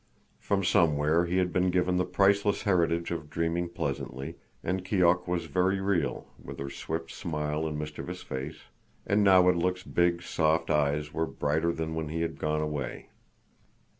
From somewhere he had been given the priceless heritage of dreaming pleasantly, and Keok was very real, with her swift smile and mischievous face, and Nawadlook's big, soft eyes were brighter than when he had gone away.